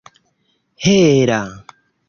hela